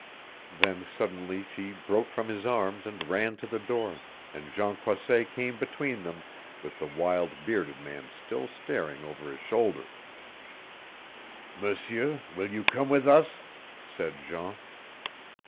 Then suddenly she broke from his arms and ran to the door, and Jean Croisset came between them, with the wild bearded man still staring over his shoulder. "M'seur, will you come with us?" said Jean.